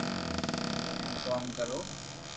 ھين ڪوم ڪرو